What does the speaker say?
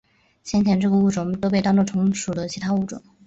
先前这个物种都被当作同属的其他物种。